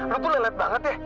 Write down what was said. lo tuh lewat banget ya